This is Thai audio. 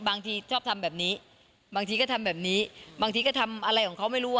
บางทีชอบทำแบบนี้บางทีก็ทำแบบนี้บางทีก็ทำอะไรของเขาไม่รู้